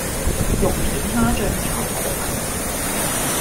肉片蝦醬炒河粉